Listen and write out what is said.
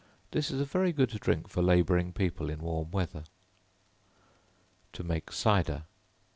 This is a very good drink for laboring people in warm weather. To Make Cider.